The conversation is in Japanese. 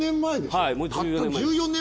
はい。